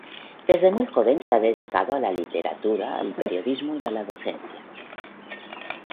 Desde muy joven se ha dedicado a la literatura, el periodismo y la docencia.